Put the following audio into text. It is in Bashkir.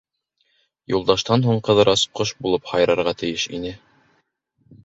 Юлдаштан һуң Ҡыҙырас ҡош булып һайрарға тейеш ине.